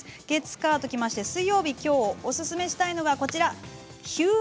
月、火ときまして水曜日おすすめしたいのはこちらです。